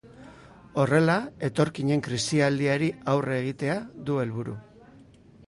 Horrela, etorkinen krisialdiari aurre egitea du helburu.